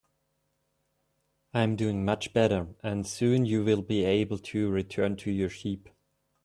I'm doing much better, and soon you'll be able to return to your sheep.